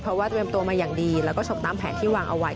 เพราะว่าเตรียมตัวมาอย่างดีแล้วก็ชกตามแผนที่วางเอาไว้